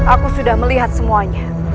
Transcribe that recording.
aku sudah melihat semuanya